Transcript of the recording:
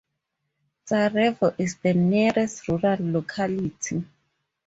Tsarevo is the nearest rural locality.